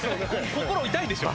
心痛いでしょ？